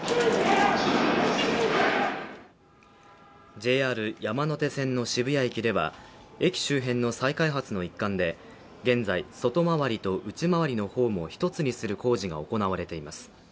ＪＲ山手線の渋谷駅では、駅周辺の再開発の一環で現在、外回りと内回りのホームを１つにする工事が行われています。